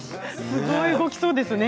すごく動きそうですね。